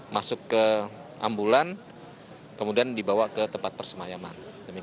masuk ke ambulan kemudian dibawa ke tempat persemayaman